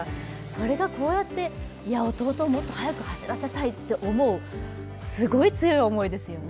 それがこうやって弟をもっと速く走らせたいと思うってすごい強い思いですよね。